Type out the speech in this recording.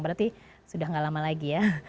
berarti sudah tidak lama lagi ya